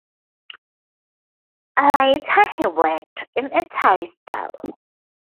Later he worked in a toy store.